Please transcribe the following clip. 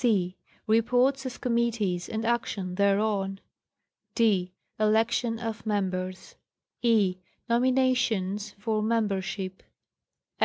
c. Reports of committees and action thereon. d. Election of members. Nominations for membership.